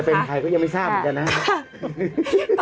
เป็นใครก็ยังไม่ทราบเหมือนกันนะครับ